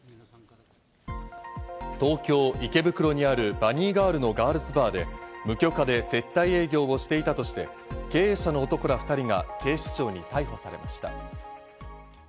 東京・池袋にあるバニーガールのガールズバーで、無許可で接待営業をしていたとして、経営者の男ら２人が警視庁に逮捕されました。